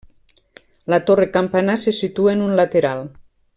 La torre campanar se situa en un lateral.